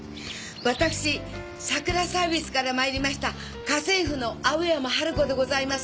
私さくらサービスから参りました家政婦の青山春子でございます。